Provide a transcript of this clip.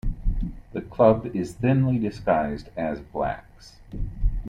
The Club is thinly disguised as "Black's".